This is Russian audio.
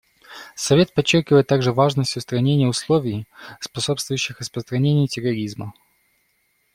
Совет подчеркивает также важность устранения условий, способствующих распространению терроризма.